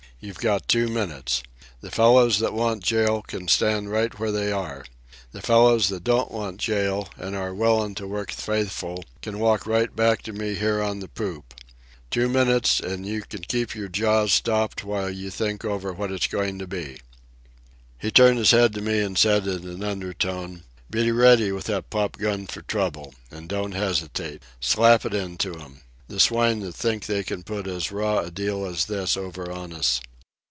You've got two minutes. The fellows that want jail can stand right where they are. The fellows that don't want jail and are willin' to work faithful, can walk right back to me here on the poop. Two minutes, an' you can keep your jaws stopped while you think over what it's goin' to be." He turned his head to me and said in an undertone, "Be ready with that pop gun for trouble. An' don't hesitate. Slap it into 'em—the swine that think they can put as raw a deal as this over on us."